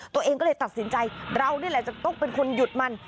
ตัวเองก็เลยตัดสินใจเรานี่แหละจะต้องเป็นคนหยุดมัน